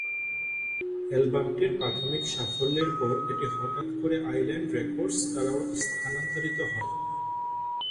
অ্যালবামটির প্রাথমিক সাফল্যের পর, এটি হঠাৎ করে আইল্যান্ড রেকর্ডস দ্বারা স্থানান্তরিত হয়।